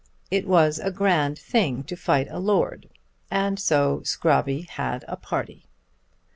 It was a grand thing to fight a lord, and so Scrobby had a party.